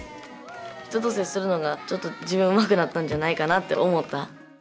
人と接するのがちょっと自分うまくなったんじゃないかなって思った。